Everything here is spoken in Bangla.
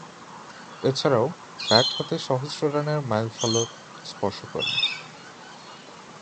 এছাড়াও, ব্যাট হাতে সহস্র রানের মাইলফলক স্পর্শ করেন।